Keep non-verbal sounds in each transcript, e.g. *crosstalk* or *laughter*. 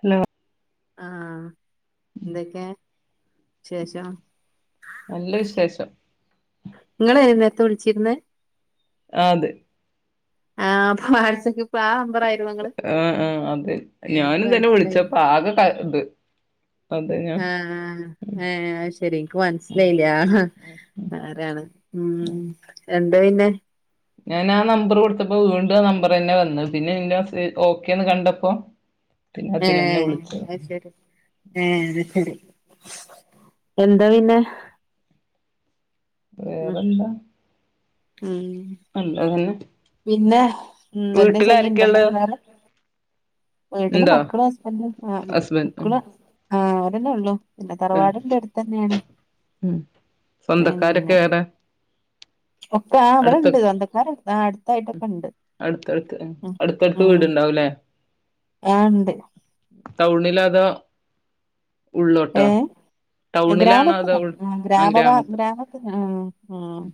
Hello ആഹ്, എന്തക്കെ വിശേഷം? നല്ല വിശേഷം. ഇങ്ങള് ഏത് നേരത്ത വിളിച്ചീരുന്നെ. ആതെ ആഹ് *unintelligible* പ്പാ നമ്പറായിരുന്നോ ഇങ്ങള്. ആഹ് ആഹ് അതെ ഇപ്പ ഞാനും തന്നെ മനസിലായി. വിളിച്ചപ്പോ ആകെ ക ഇത് അതെ ഞാൻ ആഹ് ആ ഏ ശരി എനിക്ക് മനസിലായില്ല. ആരാണ് ഉം എന്താ പിന്നെ ഞാൻ ആ നമ്പർ കൊടുത്തപ്പോ വീണ്ടും ആ നമ്പർ ന്നെ വന്ന പിന്നെ മെസ്സേജ് ഓക്കെന്ന് കണ്ടപ്പോ. *inaudible* അതിലന്നെ ഏഹ് വിളിച്ചത് അയ്ശേരി ഏഹ് അത് ശരി എന്താ പിന്നെ. ഉം വേറെന്താ ഉം അല്ലെങ്കി പിന്നെ ഉം എന്തേ ചെയ്യീണ്ടോങ്ങള് വേറെ വീട്ടില് ഇണ്ടോ മക്കളും ഹസ്ബൻഡും ആഹ ഹസ്ബൻഡ് ഉം മക്കള് ആഹ അവരെന്നൊള്ളൂ പിന്നെ ആഹ് തറവാടിന്റെ അട്ത്തെന്നേണ് ഉം സ്വന്തക്കാരൊക്കെ പിന്നെ വേറെ ഒക്ക ആഹ വടെണ്ട് സ്വന്തക്കാരെട്ത്ത് ആഹ ഉം അടുത്തടുത്ത് അടുത്തടുത്ത് ഉം വീട്ണ്ടാവുലേ ആ ഉണ്ട് ടൗണിലാ അതോ ഉള്ളോട്ടോ ഏഹ ടൗണിലാണോ ഗ്രാമത്തില അതോ ഉൾ ആഹ ആ ഗ്രാമവാ ഗ്രാമത്ത് ഗ്രാമത്തിൽ അഹ ആഹ ഉം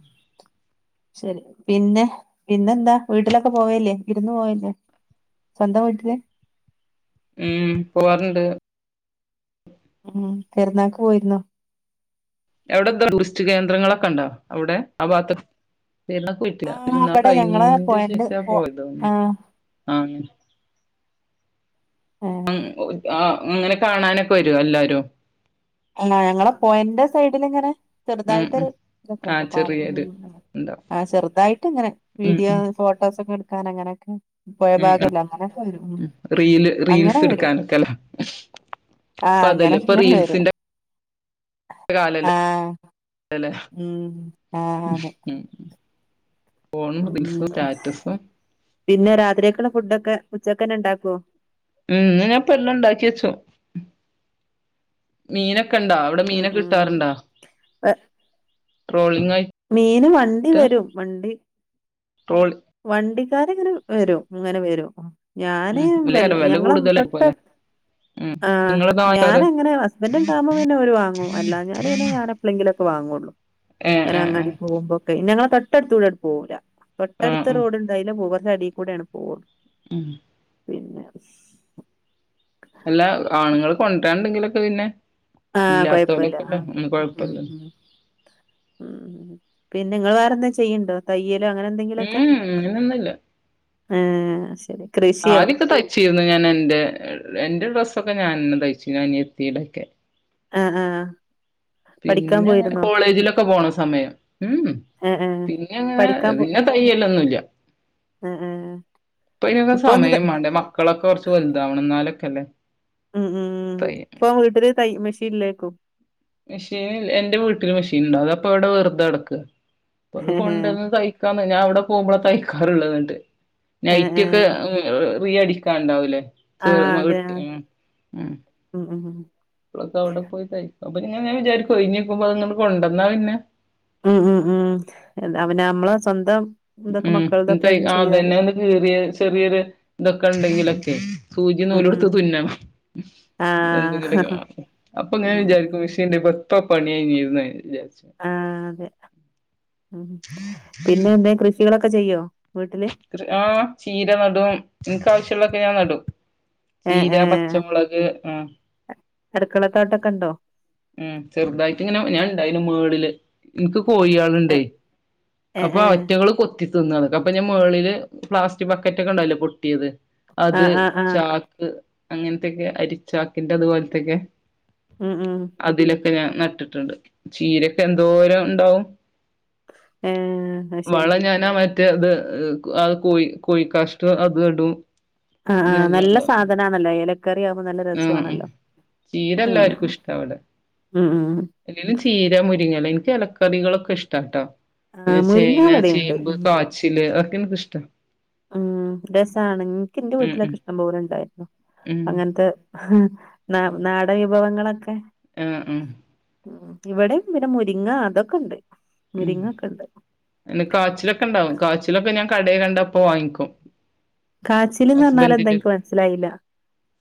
ശരി പിന്നെ പിന്നെന്താ വീട്ടിലൊക്കെ പോവേല്ലേ വിരുന്ന് പോവേല്ലേ? സ്വന്തം വീട്ട്ല് ഉം പോവാലുണ്ട് ഉം പെരുന്നാക്ക് പോയിരുന്നോ അവടെന്ത ടൂറിസ്റ്റ് കേന്ദ്രങ്ങളൊക്കെണ്ടോ അവിടെ ആ ഭാത്തൊക്കെ? പൊയിട്ടില്ല ആ പെരുന്നാൾ ഇവിടെ ഞങ്ങളെ കയ്ഞ്ഞീൻ്റെ പൊഴന്റെ ശേഷാ പൊ പോയതോന്ന്ണ് ആ ആഹ ഏ അങ് ആഹ അങ്ങനെ കാണാനൊക്കെ വരോ എല്ലാരും അല്ല ഞങ്ങളെ പുഴൻ്റെ സൈഡിലിങ്ങനെ ഉം ഉം ചെറുതായിട്ടൊരു ആ ഇതൊക്കെണ്ട് പാരൽ ചെറിയൊരു ഉണ്ടാവും ആഹ ചെറുതായിട്ട് ഇങ്ങനെ ഉം വീഡിയോ ഉം ഫോട്ടോസൊക്കെ എടുക്കാൻ അങ്ങനെയൊക്കെ ഉം ആ പൊയഭാഗല്ലെ അങ്ങനൊക്കെ വരും ഉം റീല് അങ്ങനെ റീൽസ് വരും എടുക്കാനൊക്കെല്ലേ ആഹ ഇപ്പൊ അതല്ലേ അങ്ങനൊക്കെങ്ങനെ വരും കാലല്ലെ ആഹ് അല്ലലെ ഉം ആഹ് അതെ ഉം ഫോണും റീൽസും ഉം സ്റ്റാറ്റസും പിന്നെ രാത്രിക്കക്ക്ള്ള ഫുഡൊക്കെ ഉച്ചക്കെന്നെ ഉണ്ടാക്കോ? ഉം ന്ന് ഞാൻ പ്പം എല്ലാം ഉണ്ടാക്കി വെച്ചു. മീനൊക്കെ ഇണ്ടാ? അവടെ ഉം മീനൊക്കെ ഉം കിട്ടാറുണ്ടോ? ഏ, ട്രോളിംഗ് ആയി മീന് വണ്ടി വരും വണ്ടി ട്രോളിംഗ് വണ്ടിക്കാര്ങ്ങനെ വരും ഇങ്ങനെ വരും ഞാന് ഉം വല്ല വിലയേറെ വില ഞങ്ങളെ കൂടുതലായി തൊട്ട പോലെ ഉം ആഹ നിങ്ങളെന്താ വാങ്ങിക്കാറ് ഞാനങ്ങനെ ഹസ്ബൻ്റ്ണ്ടാവുമ്പം പിന്നെ ഓര് വാങ്ങും അല്ലാഞ്ഞാല് പിന്നെ ഞാന പ്ലെങ്കിലൊക്കെ വാങ്ങൊള്ളൂ ഏ അങ്ങനെ ഏ ഏ അങ്ങാടിക്ക് പോകുമ്പളെക്കെ ഞങ്ങളെ തൊട്ടടുത്ത് കൂടെ ആണ്ട് പോവൂല. ആ തെട്ട്ട്ത്ത് ആ റോഡ്ണ്ട് അയലെ പോവൂല കൊറച്ച് അടികൂടെയാണ് പോവ ഉം പിന്നെ അല്ല ആണ്ങ്ങള് കൊണ്ടരാണ്ടെങ്കിലൊക്കെ പിന്നെ ആഹ കൊയ്പ്പല്ല ആഹ ഇല്ലാത്തോലൊക്കെല്ലേ ഉം ഉം കൊഴപ്പല്ല ഉം ഉം പിന്നെ ഇങ്ങൾ വേറെന്തേ ചെയ്യ്ണ്ടോ? തയ്യലോ അങ്ങനെ എന്തെങ്കിലൊക്കെ ഉം അങ്ങനൊന്നുല്ല ഏഹ് അയ് ശരി കൃഷിയോ ആദ്യൊക്കെ തയ്ച്ചിരുന്നു ഞാനെന്റെ എന്റെ ഡ്രസ്സൊക്കെ ഞാനെന്നെ തയ്ച്ചീനി അനിയത്തീടെ ഒക്കെ ആഹ് ആഹ് പിന്നെ അങ്ങനെ കോളേജിലൊക്കെ പോണ സമയം ഊംഉം ഏ ഏ പിന്നെ അങ്ങനെ പഠിക്കാൻ പോ പിന്നെ തയ്യലൊന്നുംല്ല ഏ ഏ ഇപ്പം അയ്നൊക്കെ ഇപ്പൊ ഒന്ന് സമയം ത- മാണ്ടേ മക്കളൊക്കെ കൊറച്ച് വലുതാവണം എന്നാലൊക്കെല്ലേ ഉം ഊം തയ്യ ഇപ്പം വീട്ടില് തൈ മിഷീല്ലേയ്ക്കും മെഷീൻ എന്റെ വീട്ടിൽ മെഷീൻണ്ട് അതപ്പൊ അവടെ വെറുതെ കടക്ക അപ്പം അത് ഏ കൊണ്ടന്ന് തൈ ക്കാൻ ഞാൻ അവിടെ പോകുമ്പള തയ്ക്കാറ്ള്ളത് ന്നട്ട് ഏ ഏ നൈറ്റ്യൊക്കെ ഉം റീ അടിക്കാണ്ടാവുലേ ആഹ് അതെ അഹ ഉം ഉം ഉം ഇപ്പളൊക്കെ അവടെ പോയി തയ്ക്കാൻ പറ്റൊ പിന്നെ ഞാൻ വിചാരിക്കും ഒഴിഞ്ഞ്ക്കുമ്പം അതൊന്ന് ങ്ങട്ട് കൊണ്ടന്നാ പിന്നെ ഉം ഉം ഉം അവന നമ്മള സ്വന്തം ഇതൊക്കെ ഉം മക്കളതൊക്കെ തയ് ഒന്ന് ചെയ്താല് അതന്നെ ഒന്ന് കീറിയ ഉം ചെറിയൊരു ഇതൊക്കെ ഉം ഉം ഇണ്ടെങ്കിലൊക്കെ. സൂചി ഉം ഉം. നൂലുടുത്ത് തുന്നണം. ആ എന്തെങ്കിലൊക്കെ ഉം അപ്പൊങ്ങനെ ഉം. വിചാരിക്കും മിഷ് ൻ്റെ ബെത്തൊപണിയായിര്ന്ന് വിചരിച്ച്. ആതെ പിന്നെന്തേ കൃഷികളൊക്കെ ചെയ്യോ വീട്ടില്. കൃ ആഹ് ചീര നടും ഇൻക്ക് ആവശ്യള്ളൊക്കെ ഞാൻ നടും. ഏ ചീര, ഏ പച്ചമുളക് ആഹ് അടുക്കളത്തോട്ടൊക്കെ ഉണ്ടോ ഉഹ് ചെറുതായിട്ടിങ്ങനെ ഞാൻ ഇണ്ടായിന് മേളില് ഇൻക്ക് കോഴിയാ ഏ ഏ ണ്ടെഅപ്പൊ ഏ അവറ്റകൾ കൊത്തി തിന്നാണ്തൊ പിന്നെ മേളില് പ്ലാസ്റ്റിക് ബക്കറ്റൊക്കെ ഉണ്ടാവുല്ലെ പൊട്ടിയത് ആ അത് ആ ആ ചാക്ക് അങ്ങൻത്തൊക്കെ അരിച്ചാക്കിന്റെതുപോലത്തെക്കെ. ഉം ഉം അതിലൊക്കെ ഞാൻ നട്ടിട്ടുണ്ട്. ചീരൊക്കെ എന്തോരം ഉണ്ടാവും. ഏ അത് വള ശരി ഞാനാ മറ്റേ ത് അ് അഅ് കോഴി കോഴി കാഷ്ട അതൂടും. ആഹ് ആഹ് നല്ല സാധനാണല്ലോ. ഏ കറി ആുവുബോ നല്ല ആഹ് ഉം രസ്വാണല്ലോ. ചീര ഉം ആഹ് ആഹ് ആ എല്ലേലും ചീര മുരിങ്ങലിം ഇൻക്ക് എലക്കറികളൊക്കെ ഇഷ്ടാട്ടോ. ആ പിന്നെ മുരിങ്ങ ചേന, ഇവിടെയുണ്ട് ചേമ്പ്, ഉം കാച്ചില് അതക്കെ ഇൻക്ക് ഇഷ്ട. ആഹ് രസാണ് ഇൻക്ക് ഇന്റെ ഉം ഉം വീട്ടിലൊക്കെ ഇഷ്ട പോലണ്ടായിരുന്നു. ഉം അങ്ങൻത്തെ ന ഉം നാടവിഭവങ്ങളൊക്കെ ആഹ് ആഹ് ഉഹ് ഇവിടെം പിന്നെ മുരിങ്ങ അതൊക്കെ ഉണ്ട് മുരിങ്ങ ഒക്കണ്ട്. നെ കാച്ചിലൊക്കെണ്ടാവും കാച്ചിലൊക്കെ ഞാൻ കടയ കണ്ട അപ്പോ വാങ്ങിക്കും. കാച്ചില്ന്ന് പറഞ്ഞാൽ എന്താ ഹസ്ബൻഡിന് ഇൻക്ക് മനസ്സിലായില്ല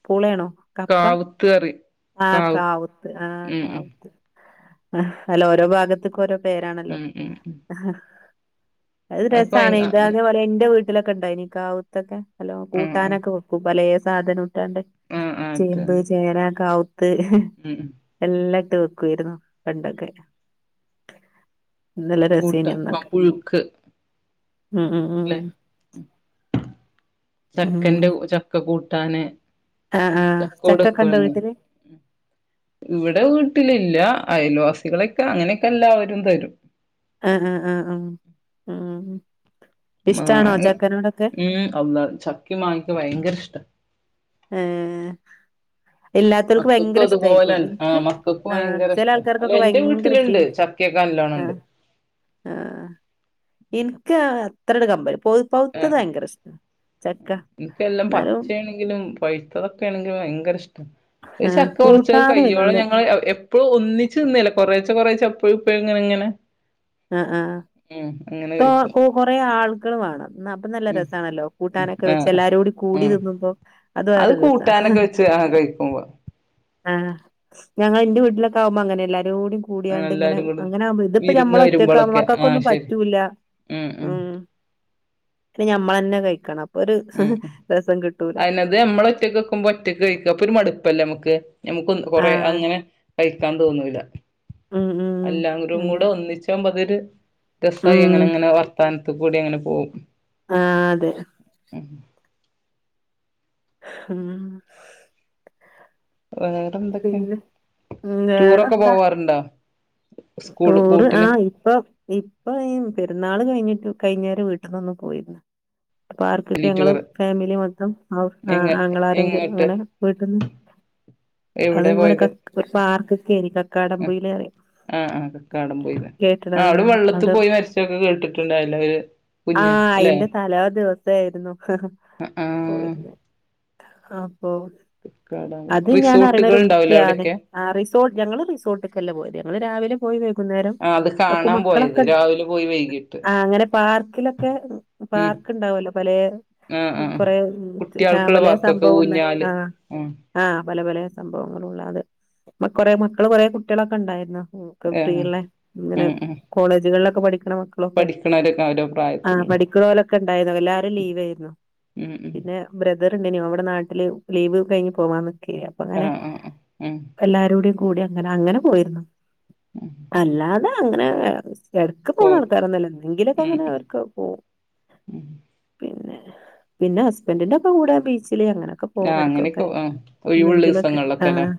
പൂളേണോ? കപ് കാവുത്തറി. ആഹ് കാവുത്ത് ആഹ് കാവുത്ത്. ആഹ് അല്ല ഓരോ ഭാഗത്ത്ക്ക് ഓരോ പേരാണല്ലോ. ഉം ഉം ഉം അത് അതൊക്കെ ഭയ രസാണ് ഇത് ആഹ് അതേപോലെ ഇന്റെ വീട്ടിലൊക്കെ ഉണ്ടയിനി കാവൊത്തൊക്കെ. നലോ ആഹ് കൂട്ടാനൊക്കെ വെക്കും പലേ സാധനുട്ടാണ്ട് ആഹ് ആഹ് ചേമ്പ്, എത്താണ്ട് ചേന, കാവു ത്ത് ഉം എല്ലട്ടു വെക്കായിരുന്നു പണ്ടൊക്കെ. നല്ല കൂട്ട രസയ്‌നന്നൊക്കെ. പുഴുക്ക് ഉം ഉം ഉം ല്ലെ ഉം ചക്കൻെറ ചക്ക കൂട്ടാന് ആഹ് ആഹ് ചക്കോട് ചക്കക്ക്ണ്ടോ വെക്കുവല്ലോ വീട്ടില്? ഇവിടെ വീട്ടിലില്ല അയൽവാസികളൊക്കെ അങ്ങനെയൊക്കെല്ലാവരും തരും. ആഹ് അഹ് അഹ് ആഹ് ആഹ് ഇഷ്ടാണോ മാഇ ചക്കനോടൊക്കെ മ് അള്ള ചക്കി മാങ്ങൊക്കെ ഭയങ്കര ഇഷ്ട. ഏഹ് ഇല്ലാത്തോൽക്ക് ഭയങ്കര ഇഷ്ടായിരിക്കും മക്കക്കതുപോലെണ് ആഹ് ഇൻക്ക് മക്കക്കു ആഹ് ഭയങ്കര ചെല ഇഷ്ട അല്ല ആൾക്കാർക്കൊക്കെ ഇന്റെ ഭയങ്കര ഇഷ്ട വീട്ടിലുണ്ട്. ച ക്കൊക്കെ നല്ലോണണ്ട്. ആഹ് ആഹ് ഇൻക്ക് അത്രട് കമ്പല്ല. പോ പൗത്തത് ആഹ് ഭയങ്കര ഇഷ്ട ചക്ക. ന്നാലും ങ്കിലും പഴിത്തതൊക്കേണെങ്കിൽ ഭയങ്കര ഇഷ്ട ഒരു ആഹ് ചക്ക മുറിച്ച് കൂട്ടാന് കയ്യോള വല്യ ഞങ്ങള് എ ഇപ്പോ ഒന്നിച്ച് തിന്നെല കൊറേച്ച കൊറേച്ച അപ്പഴുപ്പഴുങ്ങനെ ഇങ്ങനെ ആഹ് ആഹ് ഉം അങ്ങനെ തോ കഴിക്കും കൊ കൊറേ ആളുകൾ വേണം ഇന്ന പ്പോ നല്ല ഉം രസാണല്ലോ ഉം കൂട്ടാനൊക്കെ വെച്ച് ആഹ് എല്ലാരൂടി കൂടി ആഹ് തിന്നുമ്പോ അത് വേറൊരു രസ. കൂട്ടാനൊക്കെ വെച്ച് ആ കഴിക്കുമ്പോ ആഹ് ഞങ്ങ ഇന്റെ വീട്ടിലൊക്കെ ആവുമ്പോ അങ്ങനെ എല്ലാരൂടി ആഹ് കൂടിയാണ്ട് ഇങ്ങനെ എല്ലാരും കൂടെ അങ്ങനാവുമ്പ ഇതിപ്പ വിരുന്ന് നമ്മളൊറ്റക്ക വരുമ്പോളൊക്കെ ആഹ് മക്കക്കൊന്നും ശരി പറ്റൂല്ല. ഉം ഇത് നമ്മെള് തന്നെ കഴിക്കണം. അപ്പയൊരു രെസം കിട്ടൂല. ഇത് നമ്മെള് ഒറ്റക്ക് വെക്കുമ്പോ, ഒറ്റെക്ക് കഴിക്ക. അപ്പേ ഒരു മടുപ്പല്ലേ നമ്മെക്ക്. നമ്മെക്ക് കൊറെ ആഹ് അങ്ങനെ. കഴിക്കാൻ തോന്നൂല്ല. ഉം ഉം എല്ലാവെരും അതെ കൂടെ ഒന്നിച്ചാ മ്പോയത്. രെസായി അങ്ങനെ ഉം അങ്ങനെ വർത്താനത്തിക്കൂടി അങ്ങനെ പോവും. ആഹ് അതെ. ഉം ഉം ആഹ് പിന്നെ വേറെന്താ? ഒണ്ടോ? ഒര് ആഹ് ഇപ്പം ഇപ്പ ഈ പെരുന്നാള് കഴിഞ്ഞിട്ട് കഴിഞ്ഞോരെ വീട്ടന്നൊന്നി പോയിരുന്ന. അപ്പ ആർക്കൊക്കെ ഫാമിലി ഞങ്ങെള് ടൂറ് ഫാമിലി മൊത്തം, ആഹ് ആഹ് എങ്ങ ആങ്ങളമാര് എങ്ങോട്ട് അങ്ങനെ വീട്ടിന്ന്. അത് എവിടെ നമ്മെടെ ക പോയത് ഒരു പാർക്കെക്കെനി കക്കാടം ആഹ് പൂയില് ആഹ് ആഹ് കക്കാടം പൊയ്ലെ. ആ അവെടെ വെള്ളത്തി അവിടെ പോയി മരിച്ചതൊക്കെ കേട്ടിട്ടുണ്ടായള്ളേയല്ലേ ഒര്. ആഹ് അയിന്റെ തലേ ദെവസം ഇതായിരുന്നു ആഹ് പോയിരുന്നേ അപ്പോ. കക്കാടം പോയി അത് ഞാൻ റിസോർട്ടുകൾ അറിയണൊരു ഉണ്ടാവൂലേ കുപ്പിയാണ്. അവിടെയൊക്കെ ആ റിസോട്ട്. ഞങ്ങെള് റിസോട്ടെക്കെല്ല പോയത്. ഞങ്ങെള് രാവിലെ പോയെത്. അന്നേരം ആഹ് അത് കാണാൻ പോയത് മക്കെളെക്കെ. രാവിലെ പോയി വൈകിട്ട് ആഹ് അങ്ങെനെ പാർക്കിലെക്കെ. ഉം പാർക്കുണ്ടാവല്ലോ പലേ ആഹ് ആഹ് കൊറെ കുട്ടികൾക്കുള്ള സാപല പാർക്കൊക്കെ സംഭവൊള്ള ഊഞ്ഞാല് ആഹ്. ഉം ആഹ് പലെ പലെ സംഭവങ്ങളൊള്ളതേ. ഇവ്ടെ കൊറെ മക്കെള് കൊറെ കുട്ടികളൊക്കെ ഒണ്ടാരുന്നു. ഉം പ്പ ഏഹ് ഫ്രീയല്ലേ. ഇങ്ങനെ ഉം ഉം കോളേജുകളിലെക്കെ പഠിക്കണ മക്കെക്ക്. പഠിക്കണവരൊക്കെ ഓരോ ആഹ് പ്രായത്തിലുള്ള പഠിക്കുന്ന പോലെക്കെ ഉണ്ടായെന്നു. എല്ലാരും ലീവായിരുന്നു. ഉം ഉം പിന്നെ ബ്രദർയുണ്ടേന് ഓവെടെ നാട്ടില്, ലീവ് കഴിഞ്ഞ് പോവാൻ നിക്കെയാ. ആഹ് ആഹ് ആഹ് ഉം എല്ലാരോടും കൂടി അങ്ങനെ അങ്ങനെ പോയിരുന്നു. ഉം അല്ലാതെ അങ്ങനെ വേറെ സ് വേർക്കെക്കെങ്ങനെ പോയി നടത്താരുന്നല്ലോ. എങ്കിലുക്കെ ഉം അങ്ങനെ വർക്ക് പോവും. പിന്നെ പിന്നെ ഹസ്ബൻഡിന്റെപ്പഠ കൂടെ ബീച്ചില് അങ്ങനെ ക്കെ പോവും. ആഹ് എടക്കൊക്കെ അങ്ങനെയൊക്കെ ആഹ് ഒഴിവുള്ള ഒന്നെങ്കിലൊക്കെ ദിവസങ്ങളിലൊക്കെല്ലേ ആഹ്.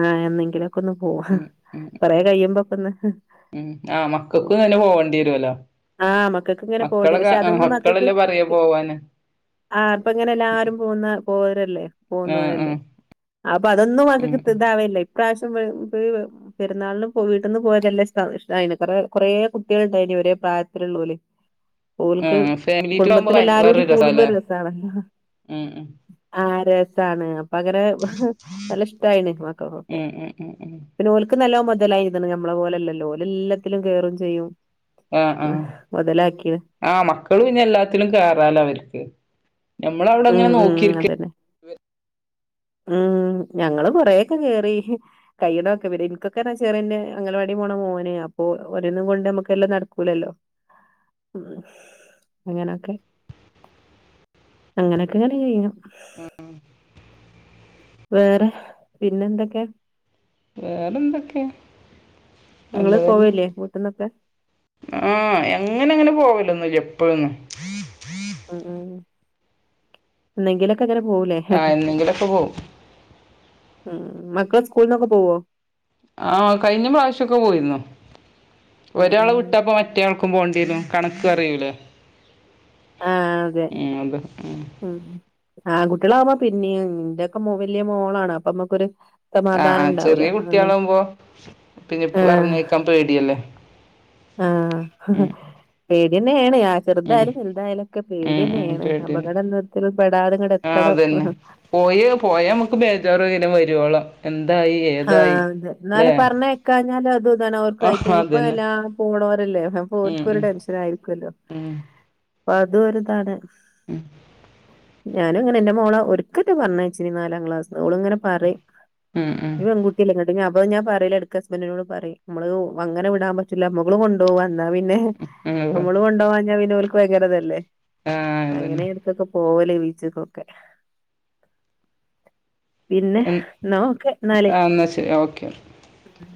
ആഹ് എന്നെങ്കിലുക്കെയൊന്ന് പോവാ. ഉം ഉം കൊറെ കഴിയുമ്പോക്കെയൊന്ന്. ഉം ആഹ് മക്കക്ക് തന്നെ പോകേണ്ടി വെരുവല്ലോ. ആഹ് മക്കൾക്ക് ഇങ്ങനെ പോകേണ്ടി വരും മക്കെളെക്കെ പക്ഷെ അതൊന്നും മക്കൾക്ക് മക്കെളല്ലേ പറയാ പോവാന്ന്. ആഹ് അപ്പ ഇങ്ങനെല്ലാരും പോകുന്ന പോയവരല്ലേ. ആഹ് പോന്നോരല്ലേ. ആഹ് അപ്പ അതൊന്നും ഉം അതിക്ക് പിത്യവെല്ല ഇപ്രാവശ്യം വെരുമ്പഴ്. പെരുന്നാളിന് വീട്ടിന്ന് പോയതല്ല സഹിഷ്ണായിരുന്നു. കൊറെ കൊറെ കുട്ടികളൊണ്ടായിന് ഇവെരേ പ്രായത്തിലുള്ള പോലും. ഇവെളെക്ക് ഉം ഫാമിലി ടൂർ ആവുമ്പോ കുടുംബത്തിലെ എല്ലാരോടും വേറൊരു രസാല്ലേ കൂടുമ്പോളല്ലേ രെസാണല്ലോ. ഉം ഉം ആഹ് രെസാണ്. അപ്പ അങ്ങനെ നല്ല ഇഷ്ടായിണ് മക്കക്കൊക്കെ. ഉം ഉം ഉം ഉം പിന്നെ ഓലക്ക് നല്ല മൊതലായിതിന്ന് നമ്മെളെ പോലല്ലോ അവെര് എല്ലാത്തിലും കേറും ചെയ്യും. ആഹ് ആഹ് മൊതലാക്കിണ് ആ മക്കെള് പിന്നെ എല്ലാത്തിലും കേറാലോ അവെരിക്ക്. ഉം നമ്മെളവടെയങ്ങനെ ഉം ഉം നോക്കിയിരിക്കും അതന്നെ വ്വ്. ഉം ഞങ്ങെള് കൊറെയൊക്കെ കേറി. കൈയെണൊക്കെ വെരെക്കെക്കെ രെസമാരിന്ന്. അംഗലവാടി പോണ മോന്. അപ്പോ ഒന്നും കൊണ്ട് നമ്മെക്കെല്ലാം നടക്കൂലല്ലോ. ഉം അങ്ങനെയൊക്കെ. അങ്ങനൊക്കെ ഇങ്ങനെ ചെയ്യും. വേറെ പിന്നെന്തൊക്കെ. വേറെന്തൊക്കെയ. ങ്ങള് പോവല്ലേ വീട്ട്ന്നൊക്കെ. ആഹ് എങ്ങനെ ങ്ങനെ പോവലൊന്നൂല്ലാ എപ്പഴൊന്നും. ഉം ന്നെങ്കിലൊക്കെ അങ്ങനെ പോവുല്ലെ. ആഹ്‌ എന്നെങ്കിലൊക്കെ പോവും. ഉം മക്കള് സ്കൂളന്നൊക്കെ പോവോ. ആഹ് കഴിഞ്ഞ പ്രാവശ്യെക്കെ പോയിര്ന്നു. ഉം ഒരാള ഉം വിട്ട ട്ടപ്പോ മറ്റേയാൾക്കും പോണ്ടെരും. കണക്കറയൂലേ? ആഹ് അതെ ഏഹ് ഉം ആകുട്ട്യാളാവുമ്പോ പിന്നീം ഇന്റെ ഒക്കെ മൊ വല്ല്യെ മോളാണ് അപ്പൊ മ്മക്കൊരു ആഹ് ആഹ് ചെറ്യേ കുട്ട്യേളാവുമ്പോ പിന്നെ ആഹ് പറഞ്ഞയക്കാൻ പേടിയല്ലേ. ആഹ് ഉം പേട്യേന്നേണ്. ഉം ചെർതായാലും വൽതായാലും ഒക്കെ ഉം ഉം പേട്യേന്നേണ്. പേടിയാണ് അപകടം എന്നത്തിലും പെടാതെ ഇങ്ങ്ടെത്തണം. പോയോ പോയാ മ്മക്ക് ബേജാറ പിന്നെ വരോളം. എന്തായി എ ആഹ് അതെ ന്നാലും പറഞ്ഞയക്കാഞ്ഞാലും അതുതാണെ ഓർക്കു ആയിറ്റ ആഹ് ഇപ്പ അതന്നെ എല്ലാ. പോണവരല്ലേ അപ്പൊ ഉം ഓൽക്കും ഒരു ഉം ടെൻഷനായിരിക്കൊല്ലോ. ഉം അപ്പൊ അതും ഒരു താണ്. ഉം ഞാനുങ്ങനെ ന്റെ മോളെ ഒരിക്കേറ്റെ പറഞ്ഞച്ചിനി നാലാം ക്ലാസ്ന്ന് ഓളുങ്ങനെ പറേം. ഉം, ഉം. പെങ്കുട്ട്യല്ലെ ങ്ങട്ട് അ ഞാൻ പറേല് എടക്ക് ഹസ്ബന്റിനോട് പറയും മ്മള് അങ്ങനെ വിടാൻ പറ്റൂല്ല മ്മ മ്മള് കൊണ്ടുപോവാ. ന്നാ പിന്നെ ഉം അമ്മള് കൊണ്ടപവാഞ്ഞാ പിന്നെ ഓൽക്ക് ഭയങ്കരതല്ലേ. ആഹ് അങ്ങനെ അതന്നെ എടക്കൊക്കെ പോവല് ബീച്ച്കൊക്കെ. പിന്നെ ന്നഓക്കെ. ആഹ് ന്നാ ശെരി ഓക്കെ. ഉം.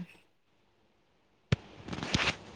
*inaudible*